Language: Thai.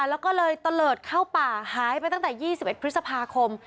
แล้วก็เลยตะเลิศเข้าป่าหายไปตั้งแต่๒๑พฤษภาคม